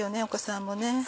お子さんもね。